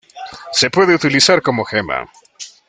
Se puede utilizar como gema.